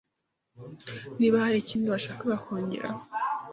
niba hari ikindi washakaga kongeraho